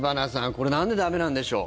これ、なんで駄目なんでしょう。